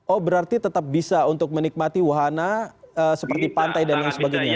oh berarti tetap bisa untuk menikmati wahana seperti pantai dan lain sebagainya ya